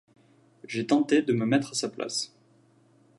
J’ai tenté de me mettre à sa place.